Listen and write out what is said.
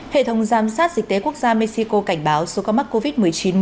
hệ thống giám sát dịch tế quốc gia mexico cảnh báo số ca mắc covid một mươi chín mới